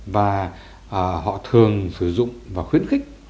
và họ thường sử dụng và khuyến khích